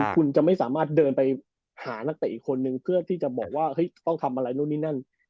คุณจะไม่สามารถเดินไปหานักเตะอีกคนนึงเพื่อที่จะบอกว่าต้องทำอะไรนู่นนี่นั่น